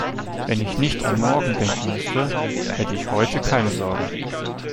Wenn ich nicht an morgen denken müsste, hätte ich heute keine Sorgen.